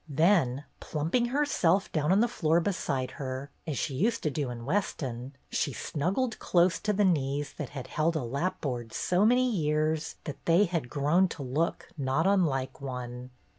Then plumping herself down on the floor beside her, as she used to do in Weston, she snuggled close to the knees that had held a lapboard so many years that they had grown to look not unlike one.